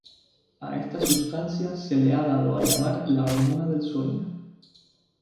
A esta sustancia se le ha dado a llamar "la hormona del sueño".